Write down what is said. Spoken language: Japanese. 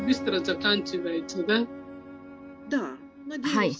はい。